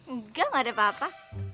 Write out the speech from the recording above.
enggak enggak ada apa apa